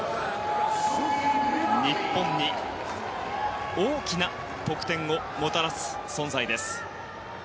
日本に大きな得点をもたらす存在です。